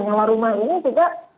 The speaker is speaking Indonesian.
menyewa rumah ini juga